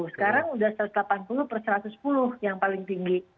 sekarang sudah satu ratus delapan puluh per satu ratus sepuluh yang paling tinggi